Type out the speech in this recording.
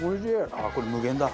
ああこれ無限だ。